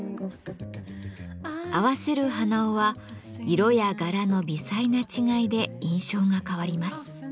合わせる鼻緒は色や柄の微細な違いで印象が変わります。